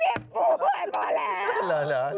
เจ็บปวดหมดแล้ว